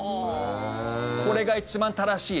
これが一番正しい。